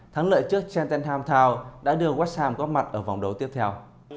thắng lợi trước trenton hamtow đã đưa west ham góp mặt ở vòng đấu tiếp theo